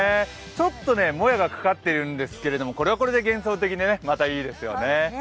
ちょっともやがかかってるんですけど、これはこれで幻想的でまたいいですよね。